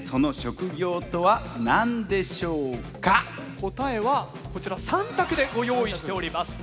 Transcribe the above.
答えはこちら３択でご用意しております。